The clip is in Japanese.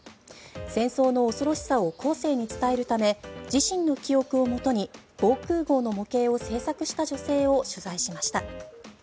戦争の恐ろしさを後世に伝えるため自身の記憶をもとに防空壕の模型を制作した女性を取材しました。